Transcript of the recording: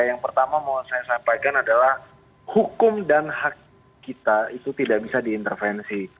yang pertama mau saya sampaikan adalah hukum dan hak kita itu tidak bisa diintervensi